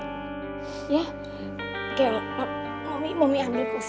kayak mami mami ambil gue sih